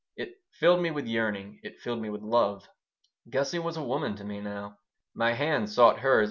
It filled me with yearning; it filled me with love. Gussie was a woman to me now. My hand sought hers.